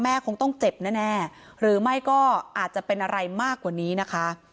คงต้องเจ็บแน่หรือไม่ก็อาจจะเป็นอะไรมากกว่านี้นะคะ